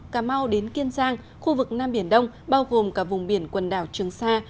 cà mau đến kiên giang khu vực nam biển đông bao gồm cả vùng biển quần đảo trường sa